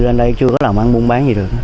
ở đây chưa có làm ăn buôn bán gì được